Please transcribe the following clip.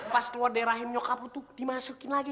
pas keluar dari rahim nyokap lo tuh dimasukin lagi